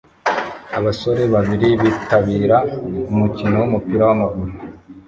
Abasore babiri bitabira umukino wumupira wamaguru